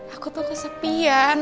aku tuh kesepian